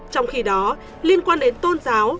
trong khi đó liên quan đến tôn giáo